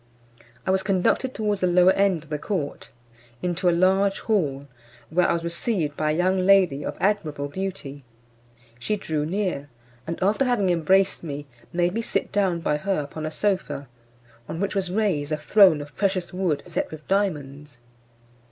I was conducted towards the lower end of the court, into a large hall, where I was received by a young lady of admirable beauty. She drew near, and after having embraced me, made me sit down by her upon a sofa, on which was raised a throne of precious wood set with diamonds.